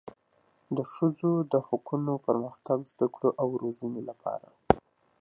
د ښځو د حقوقو، پرمختګ، زده کړو او روزنې لپاره